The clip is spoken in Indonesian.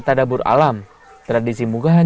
tadabur alam tradisi munggahan